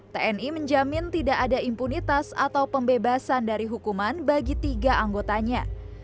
tni menjamin tidak ada impunitas atau pembebasan dari hukuman bagi tiga anggotanya